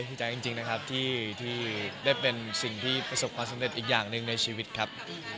ดีใจจริงนะครับที่ได้เป็นสิ่งที่ประสบความสำเร็จอีกอย่างหนึ่งในชีวิตครับ